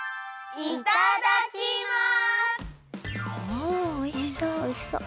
おおおいしそう。